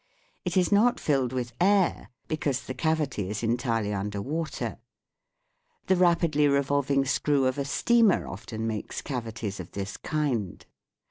It is not filled with air, because the cavity is entirely under water. The rapidly revolving screw of a steamer often makes cavities of this kind.